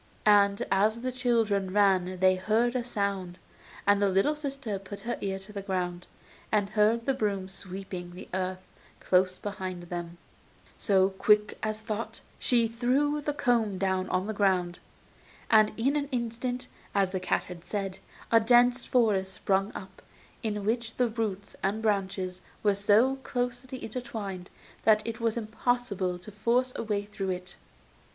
And as the children ran they heard a sound, and the little sister put her ear to the ground, and heard the broom sweeping the earth close behind them; so, quick as thought, she threw the comb down on the ground, and in an instant, as the cat had said, a dense forest sprung up, in which the roots and branches were so closely intertwined, that it was impossible to force a way through it.